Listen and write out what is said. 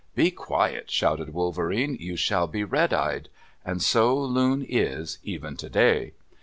"Be quiet," shouted Wolverene, "you shall be red eyed!" And so Loon is even today.